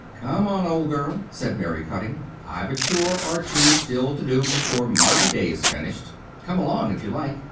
"Come on, old girl," said Mary Cutting. "I've a chore or two still to do before my day is finished. Come along, if you like.